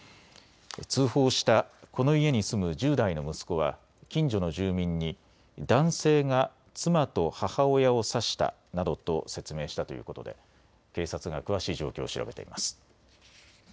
通報したこの家に住む１０代の息子は近所の住民に男性が妻と母親を刺したなどと説明したということで警察が詳しい状況を調べています。